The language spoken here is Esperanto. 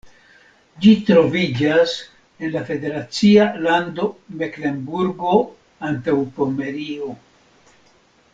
Ĝi troviĝas en la federacia lando Meklenburgo-Antaŭpomerio.